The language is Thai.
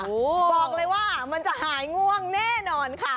บอกเลยว่ามันจะหายง่วงแน่นอนค่ะ